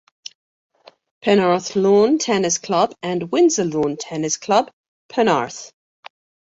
Penarth Lawn Tennis Club and Windsor Lawn Tennis Club, Penarth.